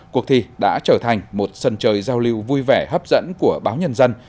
cuộc thi đã trở thành một sân chơi giao lưu vui vẻ hấp dẫn của báo nhân dân